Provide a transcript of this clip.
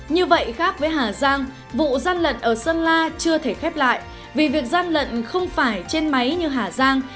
như vậy khác với hà giang vụ gian lận ở sơn la chưa thể khép lại vì việc gian lận không phải trên máy như hà giang